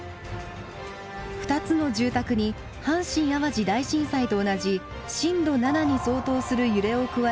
２つの住宅に阪神・淡路大震災と同じ震度７に相当する揺れを加える実験を行います。